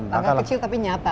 langkah kecil tapi nyata